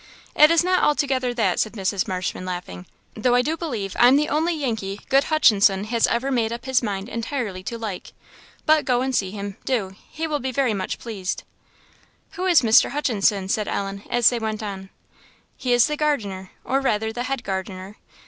"It is not altogether that," said Mrs. Marshman, laughing; "though I do believe; I am the only Yankee good Hutchinson has ever made up his mind entirely to like. But go and see him do, he will be very much pleased." "Who is Mr. Hutchinson?" said Ellen, as they went on. "He is the gardener, or rather the head gardener.